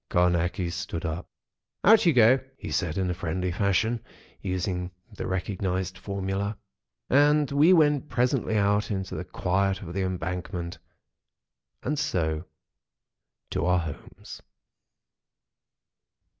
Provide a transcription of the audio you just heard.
Carnacki stood up: "Out you go!" he said in friendly fashion, using the recognised formula. And we went presently out into the quiet of the Embankment, and so to our homes.